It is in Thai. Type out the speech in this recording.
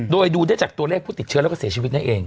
โดยดูได้จากตัวเลขผู้ติดเชื้อแล้วก็เสียชีวิตนั่นเอง